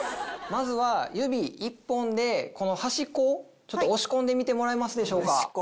まずは指１本でこの端っこを押し込んでみてもらえますでしょうか？